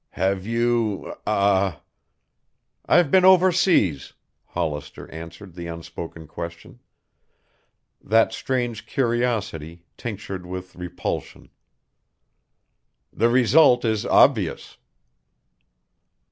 "Have you ah " "I've been overseas," Hollister answered the unspoken question. That strange curiosity, tinctured with repulsion! "The result is obvious."